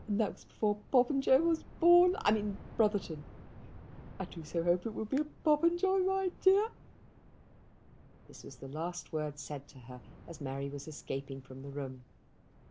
That was before Popenjoy was born, I mean Brotherton. I do so hope it will be a Popenjoy, my dear." This was the last word said to her as Mary was escaping from the room.